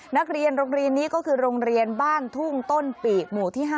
นักเรียนโรงเรียนนี้ก็คือโรงเรียนบ้านทุ่งต้นปีกหมู่ที่๕